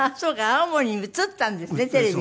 青森に映ったんですねテレビが。